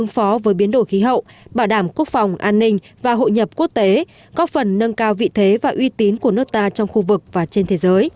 phòng an ninh và hội nhập quốc tế góp phần nâng cao vị thế và uy tín của nước ta trong khu vực và trên thế giới